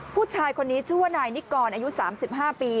ผู้ชายคนนี้ชื่อว่านายนิกรอายุ๓๕ปี